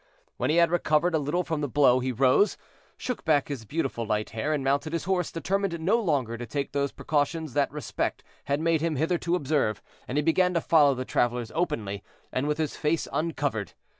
When he had recovered a little from the blow, he rose, shook back his beautiful light hair, and mounted his horse, determined no longer to take those precautions that respect had made him hitherto observe, and he began to follow the travelers openly, and with his face uncovered.